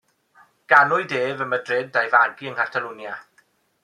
Ganwyd ef ym Madrid a'i fagu yng Nghatalwnia.